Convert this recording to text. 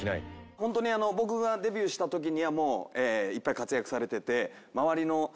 本当に僕がデビューした時にはもういっぱい活躍されてて。